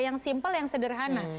yang simple yang sederhana